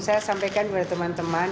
saya sampaikan kepada teman teman